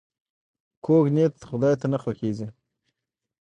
کوږ نیت خداي ته نه خوښیږي